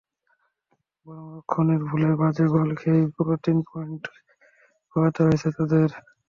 বরং রক্ষণের ভুলে বাজে গোল খেয়েই পুরো তিন পয়েন্ট খোয়াতে হয়েছে তাদের।